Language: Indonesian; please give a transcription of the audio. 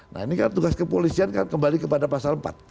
nah ini kan tugas kepolisian kan kembali kepada pasal empat